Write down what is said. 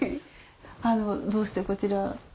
どうしてこちら？